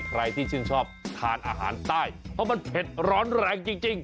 ใครที่ชื่นชอบทานอาหารใต้เพราะมันเผ็ดร้อนแรงจริง